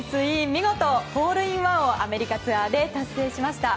見事、ホールインワンをアメリカツアーで達成しました。